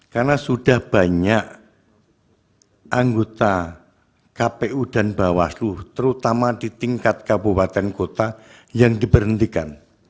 karena sudah banyak anggota kpu dan bawaslu terutama di tingkat kabupaten kota yang diberhentikan